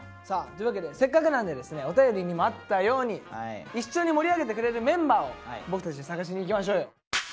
というわけでせっかくなんでですねお便りにもあったように一緒に盛り上げてくれるメンバーを僕たちで探しに行きましょうよ。